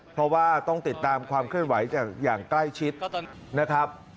เพราะว่าต้องติดตามความเคลื่อนไหวจากอย่างใกล้ชิดนะครับ